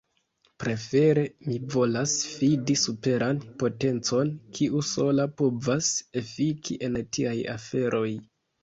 Prefere mi volas fidi superan potencon, kiu sola povas efiki en tiaj aferoj.